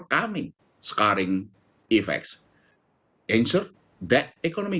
dan lebih penting menunjukkan fondasi yang lebih baik untuk mencapai